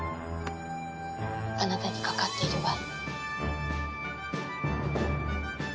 あなたにかかっているわ。